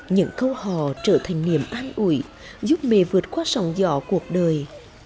những câu hò trở thành niềm an ủi giúp mẹ vượt qua sòng dò cuộc đời